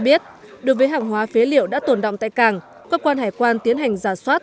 biết đối với hàng hóa phế liệu đã tồn động tại cảng cơ quan hải quan tiến hành giả soát